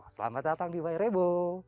selamat datang di wairebo